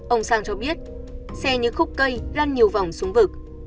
ông sang cho biết xe như khúc cây lan nhiều vòng xuống vực